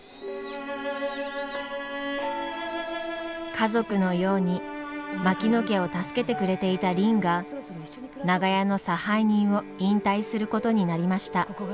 家族のように槙野家を助けてくれていたりんが長屋の差配人を引退することになりました。